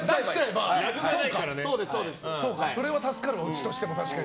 それは助かるわ、うちとしても。